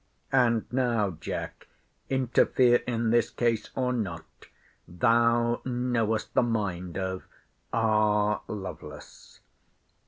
And now, Jack, interfere; in this case or not, thou knowest the mind of R. LOVELACE.